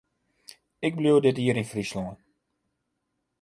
Ik bliuw dit jier yn Fryslân.